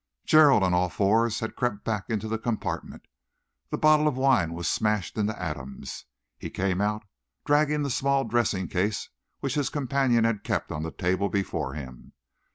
Gerald, on all fours, had crept back into the compartment. The bottle of wine was smashed into atoms. He came out, dragging the small dressing case which his companion had kept on the table before him.